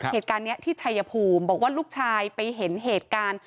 เหตุการณ์นี้ที่ชัยภูมิบอกว่าลูกชายไปเห็นเหตุการณ์